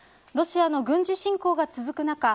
ロシアの軍事侵攻が続く中